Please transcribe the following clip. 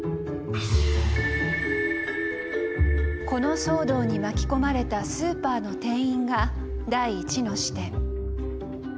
この騒動に巻き込まれたスーパーの店員が第１の視点。